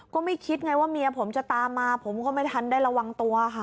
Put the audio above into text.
ก็ไม่คิดไงว่าเมียผมจะตามมาผมก็ไม่ทันได้ระวังตัวค่ะ